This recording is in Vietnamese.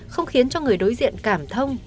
không khiến cho người đối diện cảm thông